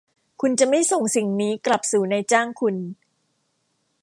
คุณจะไม่ส่งสิ่งนี้กลับสู่นายจ้างคุณ ?